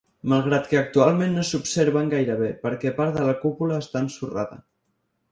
Malgrat que actualment no s'observen gaire bé perquè part de la cúpula està ensorrada.